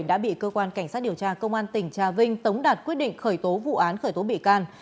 đã bị cơ quan cảnh sát điều tra công an tỉnh trà vinh tống đạt quyết định khởi tố vụ án khởi tố bị can